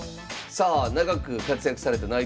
さあ長く活躍された内藤九段。